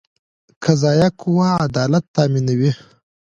قضایه قوه عدالت تامینوي